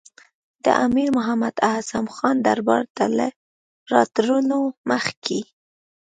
د امیر محمد اعظم خان دربار ته له راتللو مخکې.